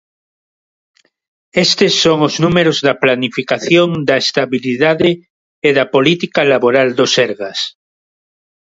Estes son os números da planificación da estabilidade e da política laboral do Sergas.